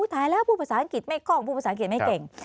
ถ่ายแล้วพูดภาษาอังกฤษไม่คล่องพูดภาษาอังกฤษไม่เก่ง